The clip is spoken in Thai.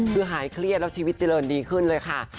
คือหายเครียดแล้วชีวิตเจริญดีขึ้นเลยค่ะ